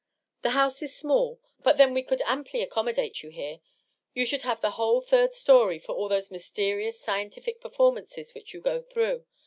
The house is small, but then we could amply accommodate you here. You should have the whole third story for all those mysterious scientific performances which you go through.